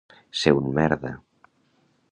Ser un merda.